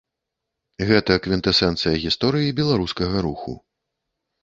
Гэта квінтэсэнцыя гісторыі беларускага руху.